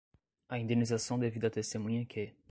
a indenização devida à testemunha que